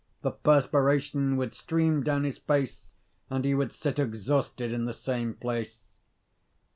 The perspiration would stream down his face, and he would sit exhausted in the same place.